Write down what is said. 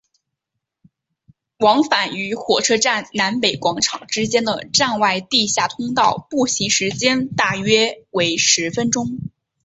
往返于火车站南北广场之间的站外地下通道步行时间大约为十分钟。